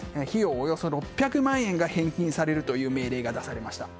およそ６００万円が返金されるという命令が出されました。